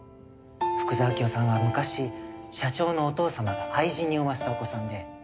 福沢明夫さんは昔社長のお父様が愛人に産ませたお子さんで。